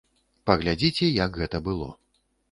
Паглядзіце, як гэта было.